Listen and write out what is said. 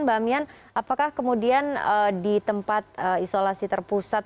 mbak mian apakah kemudian di tempat isolasi terpusat